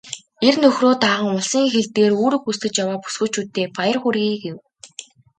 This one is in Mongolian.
"Эр нөхрөө даган улсын хил дээр үүрэг гүйцэтгэж яваа бүсгүйчүүддээ баяр хүргэе" гэв.